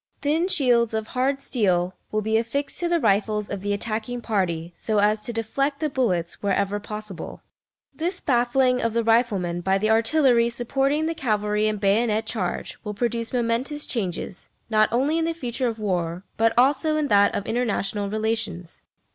Thin shields of hard steel will be affixed to the rifles of the attacking party, so as to deflect the bullets wherever possible. This baffling of the rifleman by the artillery supporting the cavalry and bayonet charge will produce momentous changes, not only in the future of war, but also in that of international relations.